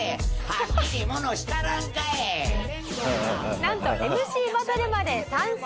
なんとＭＣバトルまで参戦。